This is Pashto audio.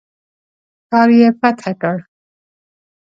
ښار یې فتح کړ.